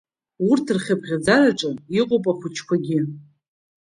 Урҭ рхыԥхьаӡараҿы иҟоуп ахәыҷқәагьы.